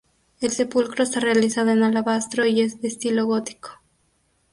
El sepulcro está realizado en alabastro y es de estilo gótico.